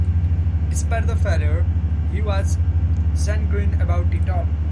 Despite the failure, he was sanguine about it all.